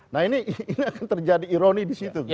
nah ini akan terjadi ironi di situ